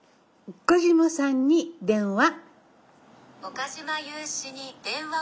岡嶋さんに電話。